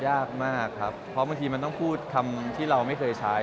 ยากมากครับเพราะบางทีมันต้องพูดคำที่เราไม่เคยใช้